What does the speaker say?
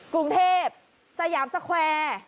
กรุงเทพสยามสแควร์